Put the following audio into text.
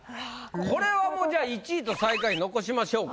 これはもうじゃあ１位と最下位残しましょうか。